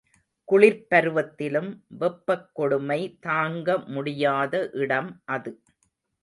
குளிர்ப் பருவத்திலும் வெப்பக் கொடுமை தாங்க முடியாத இடம் அது.